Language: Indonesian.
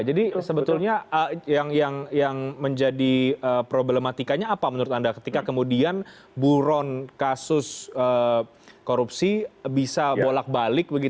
jadi sebetulnya yang menjadi problematikanya apa menurut anda ketika kemudian buron kasus korupsi bisa bolak balik begitu